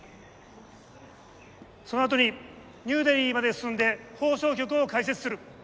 そのあとにニューデリーまで進んで放送局を開設する。